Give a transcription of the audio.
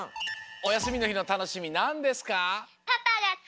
おやすみのひのたのしみなんですか？